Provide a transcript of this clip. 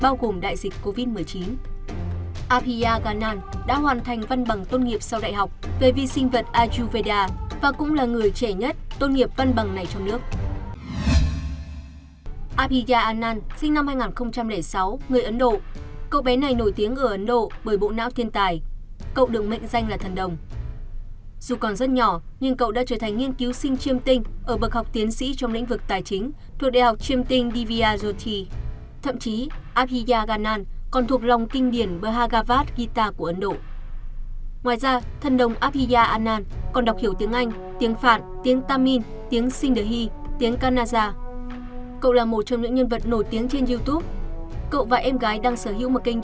nổi tiếng trên youtube cậu và em gái đang sở hữu một kênh youtube với hơn một triệu lượt theo dõi